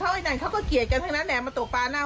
เขาว่าเขาก็เกลียดกันทั้งนั้นแนวมาตกปลาหน้าวัด